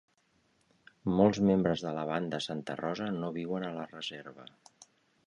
Molts membres de la banda Santa Rosa no viuen a la reserva.